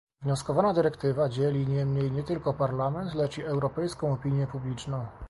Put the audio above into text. Wnioskowana dyrektywa dzieli niemniej nie tylko Parlament, lecz i europejską opinię publiczną